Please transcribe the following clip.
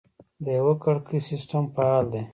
د یوه کړکۍ سیستم فعال دی؟